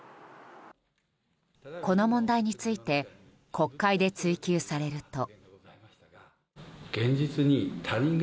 この問題について国会で追及されると。